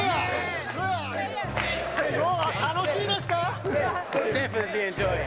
楽しいですか？